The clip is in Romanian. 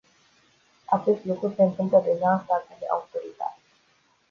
Acest lucru se întâmplă deja în statele autoritare.